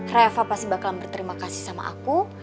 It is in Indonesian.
rafa pasti bakal berterima kasih sama aku